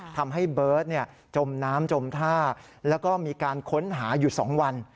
ทำให้เบิร์ตจมน้ำจมท่าแล้วก็มีการค้นหาอยู่๒วัน